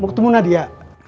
mau ketemu nadia